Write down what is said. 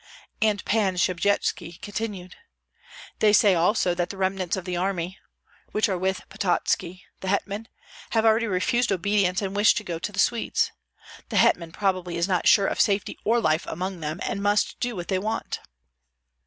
And Pan Shchebjytski continued: "They say also that the remnants of the army, which are with Pototski, the hetman, have already refused obedience and wish to go to the Swedes. The hetman probably is not sure of safety or life among them, and must do what they want."